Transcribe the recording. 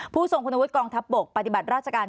ผู้ส่งคุณวุฒิกองทับปกปฏิบัติราชการ